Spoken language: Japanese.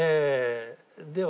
では